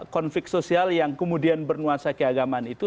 konflik sosial yang kemudian bernuansa keagamaan itu